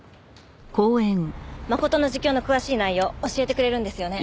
真琴の自供の詳しい内容教えてくれるんですよね？